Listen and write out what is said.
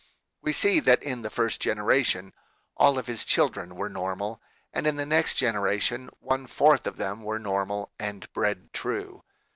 We see that in the first generation all of his children were nor mal and in the next generation one fourth of them were normal and bred true.